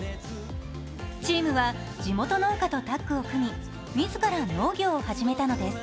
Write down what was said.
チームは地元農家とタッグを組み自ら農業を始めたのです。